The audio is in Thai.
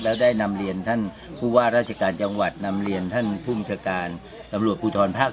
แล้วได้นำเรียนท่านผู้ว่าราชการจังหวัดนำเรียนท่านภูมิชาการตำรวจภูทรภาค๗